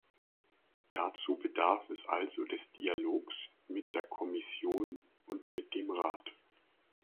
Dazu bedarf es also des Dialogs mit der Kommission und mit dem Rat.